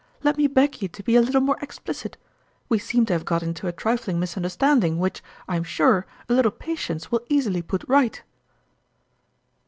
Let me beg you to be a little more explicit. We seem to have got into a trifling misunderstanding, w T hich, I am sure, a little patience will easily put right."